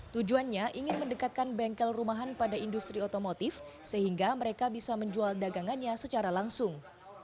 tujuannya ingin mendekatkan bengkel rumahan pada industri otomotif sehingga mereka bisa menjual dagangannya secara langsung